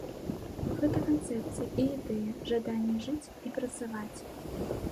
Гэта канцэпцыя і ідэя, жаданне жыць і працаваць.